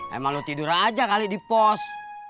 emang lo tidur aja kali di pos